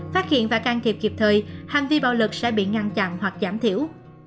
phát hiện và can thiệp kịp thời hành vi bạo lực sẽ bị ngăn chặn hoặc giảm thiểu